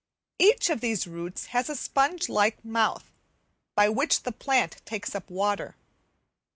Each of these roots has a sponge like mouth by which the plant takes up water.